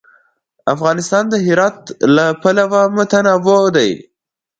افغانستان د هرات له پلوه متنوع دی.